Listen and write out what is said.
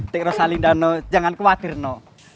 tik rosalinda noh jangan khawatir noh